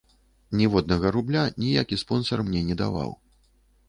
Ніводнага рубля ніякі спонсар мне не даваў.